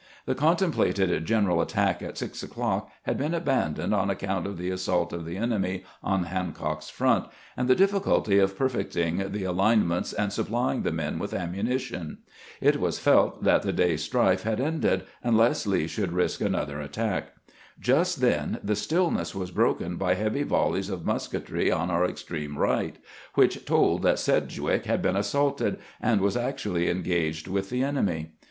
The contemplated general attack at six o'clock had been abandoned on account of the assault of the enemy on Hancock's front, and the difficulty of perfecting the alinements and supplying the men with ammunition. It was felt that the day's strife had ended, unless Lee should risk another attack. Just then the stillness was broken by heavy voUeys of musketry on our extreme right, which told that Sedg wick had been assaulted, and was actually engaged with the enemy.